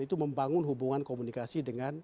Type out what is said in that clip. itu membangun hubungan komunikasi dengan